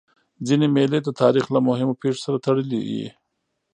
ځيني مېلې د تاریخ له مهمو پېښو سره تړلي يي.